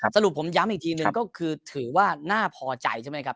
สรุปผมย้ำอีกทีหนึ่งก็คือถือว่าน่าพอใจใช่ไหมครับ